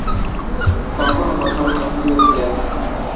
কখন ওমর ফারুক নিখোঁজ হয়েছিলেন?